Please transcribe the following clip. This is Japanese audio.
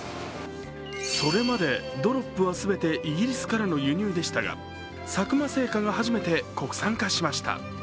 それまでドロップは全てイギリスからの輸入でしたが、佐久間製菓が初めて国産化しました。